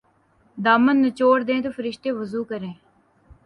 دامن نچوڑ دیں تو فرشتے وضو کریں''